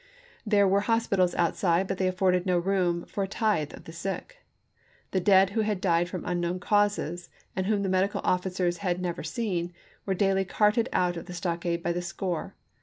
There were hospitals outside, but they afforded no room for a tithe of the sick. The dead who had died from unknown causes, and whom the medical offi cers had never seen, were daily carted out of the stockade by the score.